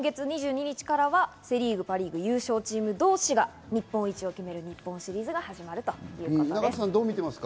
今月２２日からはセ・リーグ、パ・リーグの優勝チーム同士が日本一を決める日本シリーズが始まります。